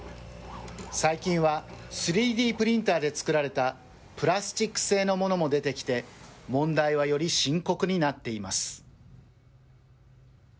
最近は３Ｄプリンターで作られたプラスチック製のものも出てきて、問題はより深刻になっています。